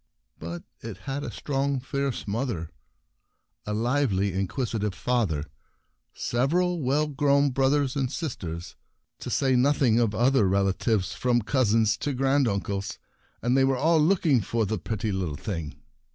But it had a strong, fierce mother, a lively and inquisitive father, several well grown brothers and sisters, to say nothing of other relatives, from cousins to grand uncles; and they were all looking for the pretty little thing.